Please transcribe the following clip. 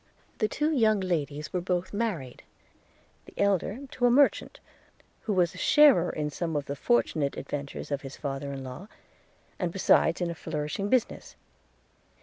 The two young ladies were both married; the elder to a merchant, who was a sharer in some of the fortunate adventures of his father in law, and besides in a flourishing business.